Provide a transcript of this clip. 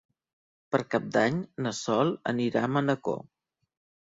Per Cap d'Any na Sol anirà a Manacor.